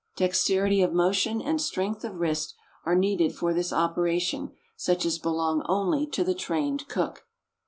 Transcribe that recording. Dexterity of motion and strength of wrist are needed for this operation, such as belong only to the trained cook.